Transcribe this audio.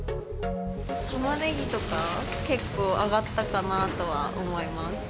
タマネギとか結構上がったかなとは思います。